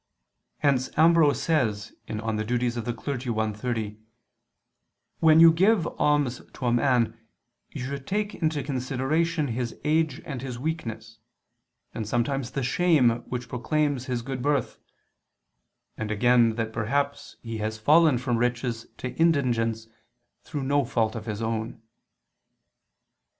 Hence Ambrose says (De Officiis i, 30): "When you give an alms to a man, you should take into consideration his age and his weakness; and sometimes the shame which proclaims his good birth; and again that perhaps he has fallen from riches to indigence through no fault of his own."